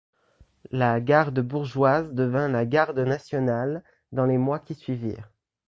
La garde bourgeoise devint la Garde nationale dans les mois qui suivirent.